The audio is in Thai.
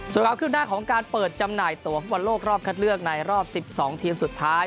ส่วนความขึ้นหน้าของการเปิดจำหน่ายตัวฟุตบอลโลกรอบคัดเลือกในรอบ๑๒ทีมสุดท้าย